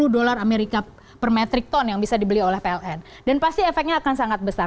dua puluh dolar amerika per metric ton yang bisa dibeli oleh pln dan pasti efeknya akan sangat besar